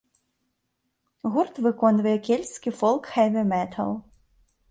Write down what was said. Гурт выконвае кельцкі фолк-хэві-метал.